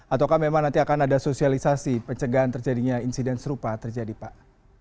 ataukah memang nanti akan ada sosialisasi pencegahan terjadinya insiden serupa terjadi pak